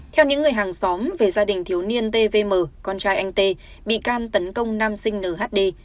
theo những người hàng xóm về gia đình thiếu niên tvm con trai anh tê bị can tấn công nam sinh nhd